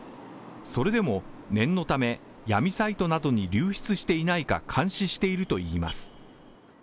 それでも念のため、闇サイトなどに流出していないか監視しているといいます。